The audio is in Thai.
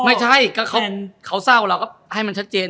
ไม่ใช่ก็เขาเศร้าเราก็ให้มันชัดเจน